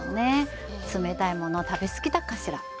冷たいもの食べ過ぎたかしら？